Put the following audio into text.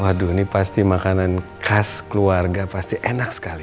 waduh ini pasti makanan khas keluarga pasti enak sekali